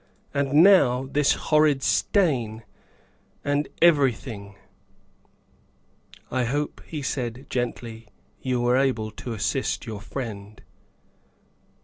And now this horrid stain, and and every thing." " I hope," he said gently, " you were able to assist your friend."